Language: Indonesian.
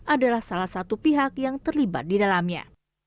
adalah salah satu pihak yang terlibat didalamnya